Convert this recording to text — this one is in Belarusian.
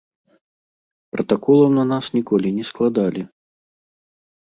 Пратаколаў на нас ніколі не складалі.